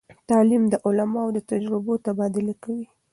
تعلیم د علماوو د تجربو تبادله کوي.